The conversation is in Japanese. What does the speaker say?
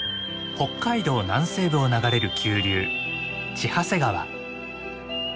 北海道南西部を流れる急流千走川。